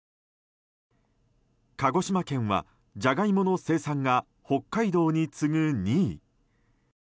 鹿児島県はジャガイモの生産が北海道に次ぐ２位。